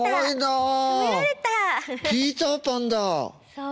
そう。